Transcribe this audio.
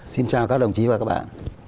xin chào các đồng chí và các bạn